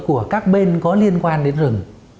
của các bên có liên quan đến rừng